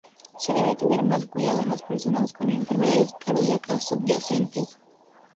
Se debe tener más cuidado en las personas con enfermedades cardíacas subyacentes.